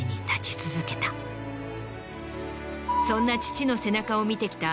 そんな父の背中を見てきた。